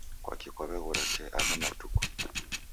Kwaki kwaweghora te agha matuku?